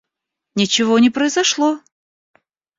Ничего не произошло!